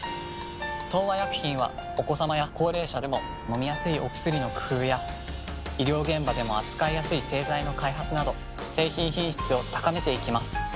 東和薬品はお子さまや高齢者でも飲みやすいお薬の工夫や医療現場でも扱いやすい製剤の開発など製品品質を高めていきます。